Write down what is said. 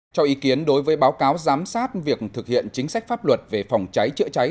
cho ý kiến đối với báo cáo giám sát việc thực hiện chính sách pháp luật về phòng cháy chữa cháy